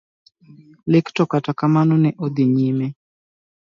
Lek to kata kamano ne odhi nyime.